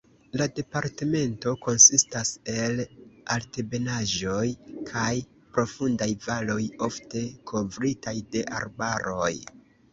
La departemento konsistas el altebenaĵoj kaj profundaj valoj ofte kovritaj de arbaroj.